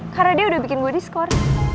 karena dia udah bikin gue diskor